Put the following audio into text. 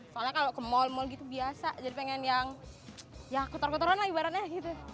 soalnya kalau ke mal mall gitu biasa jadi pengen yang ya kotor kotoran lah ibaratnya gitu